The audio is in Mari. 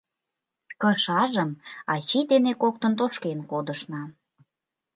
Кышажым ачий дене коктын тошкен кодышна.